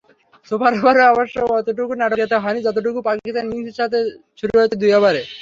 Super ওভারে অবশ্য অতটুকু নাটকীয়তা হয়নি, যতটুকু পাকিস্তান ইনিংসের শেষ দুই ওভারে হয়েছে।